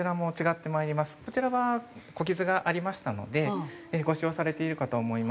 こちらは小傷がありましたのでご使用されているかと思います。